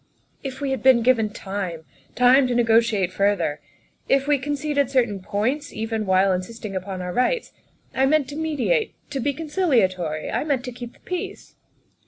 "If we had been given time time to negotiate further. If we conceded certain points, even while in sisting upon our rights. I meant to mediate to be conciliatory. I meant to keep the peace."